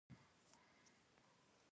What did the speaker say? پاچا واورېدله ډیر خوشحال شو.